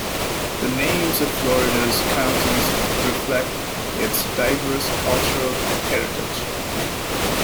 The names of Florida's counties reflect its diverse cultural heritage.